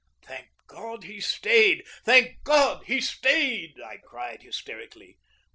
"Thank God he stayed! Thank God he stayed!" I cried hysterically.